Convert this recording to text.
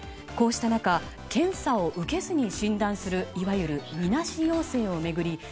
こうした中検査を受けずに診断するいわゆる、みなし陽性を巡り